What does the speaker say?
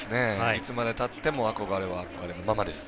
いつまでたっても憧れは憧れのままです。